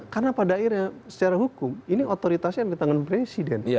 karena pada akhirnya secara hukum ini otoritas yang ditangan presiden